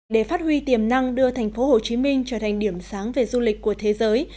để phát huy tiềm năng đưa thành phố hồ chí minh trở thành điểm sáng về du lịch của thế giới